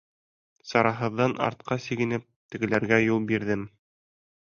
Сараһыҙҙан артҡа сигенеп, тегеләргә юл бирҙем.